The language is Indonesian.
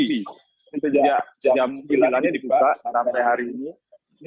ini sejak jam sembilan an ini dibuka sampai hari ini